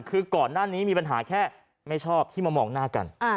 คือก่อนหน้านี้มีปัญหาแค่ไม่ชอบที่มามองหน้ากัน